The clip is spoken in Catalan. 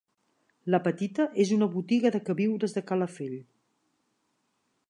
La petita és una botiga de queviures de Calafell.